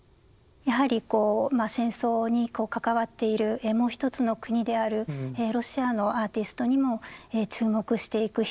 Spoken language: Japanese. やはりこう戦争に関わっているもう一つの国であるロシアのアーティストにも注目していく必要があるかと思います。